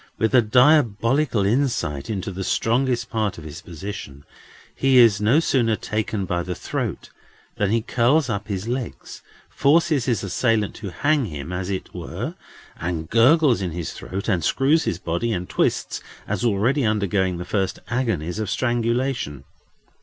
With a diabolical insight into the strongest part of his position, he is no sooner taken by the throat than he curls up his legs, forces his assailant to hang him, as it were, and gurgles in his throat, and screws his body, and twists, as already undergoing the first agonies of strangulation.